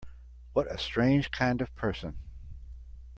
What a strange kind of person!